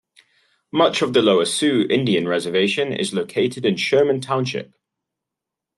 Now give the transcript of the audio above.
Much of the Lower Sioux Indian Reservation is located in Sherman Township.